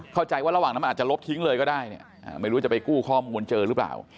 เข้าใจว่าระหว่างนั้นมันอาจจะลบทิ้งเลยก็ได้เนี่ยไม่รู้จะไปกู้ข้อมูลเจอหรือเปล่า